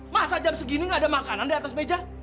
masa jam segini nggak ada makanan di atas meja